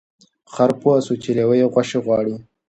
خر په پوه سوچی لېوه یې غوښي غواړي